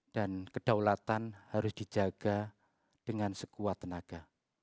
dan kedaulatan harus dijaga dengan sekuat tenaga